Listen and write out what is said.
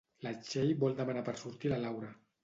La Txell vol demanar per sortir a la Laura.